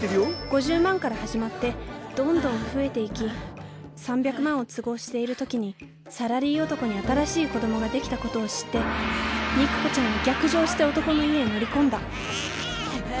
５０万から始まってどんどん増えていき３００万を都合している時にサラリー男に新しい子供ができたことを知って肉子ちゃんは逆上して男の家へ乗り込んだ。